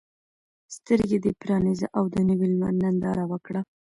سترګې دې پرانیزه او د نوي لمر ننداره وکړه.